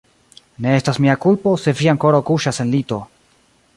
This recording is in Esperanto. Ne estas mia kulpo, se vi ankoraŭ kuŝas en lito.